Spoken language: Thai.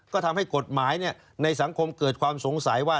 ก็ทำให้กฎหมายในสังคมเกิดความสงสัยว่า